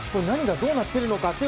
何がどうなってるのか。